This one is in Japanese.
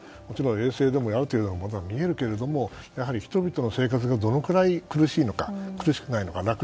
衛星でもある程度のものは見えるけれどもやはり人々の生活がどのくらい苦しいのかあるいは苦しくないのか。